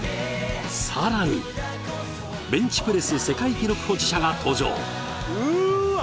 さらにベンチプレス世界記録保持者が登場うわ！